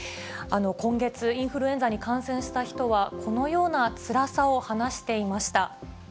今月、インフルエンザに感染した人は、このようなつらさを話していました。